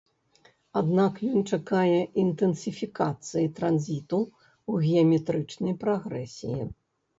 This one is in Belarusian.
Аднак ён чакае інтэнсіфікацыі транзіту ў геаметрычнай прагрэсіі.